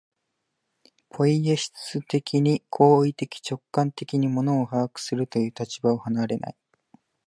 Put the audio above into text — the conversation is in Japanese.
ポイエシス的に、行為的直観的に物を把握するという立場を離れない。